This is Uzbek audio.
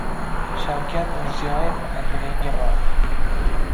Shavkat Mirziyoyev Angrenga bordi